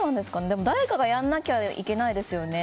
でも誰かがやらなきゃいけないですよね。